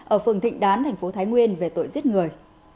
ở phường thịnh đán tp thái nguyên về tội giết người